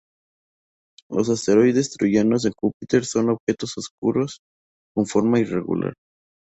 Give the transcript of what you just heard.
Los asteroides troyanos de Júpiter son objetos oscuros con forma irregular.